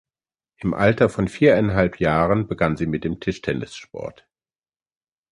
Im Alter von viereinhalb Jahren begann sie mit dem Tischtennissport.